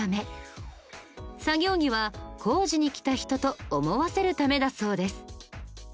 作業着は工事に来た人と思わせるためだそうです。